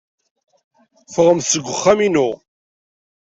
Ffɣemt seg wexxam-inu!